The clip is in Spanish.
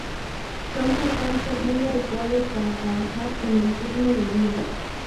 Son por tanto muy adecuados para trabajar en el turno de día.